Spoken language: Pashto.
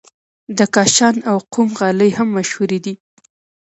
د کاشان او قم غالۍ هم مشهورې دي.